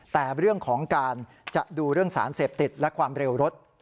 แต่เรื่องของการจะดูเรื่องสารเสพติดและความเร็วรถ